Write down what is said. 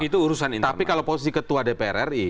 tapi kalau posisi ketua dpr ri